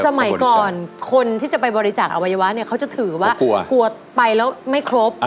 สมัยก่อนคนที่จะไปบริจาคอวัยวะเนี่ยเขาจะถือว่ากลัวไปแล้วไม่ครบ